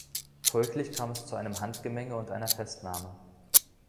Folglich kam es zu einem Handgemenge und einer Festnahme.